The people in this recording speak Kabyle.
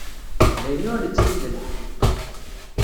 D ayen ur nettili d lḥeqq.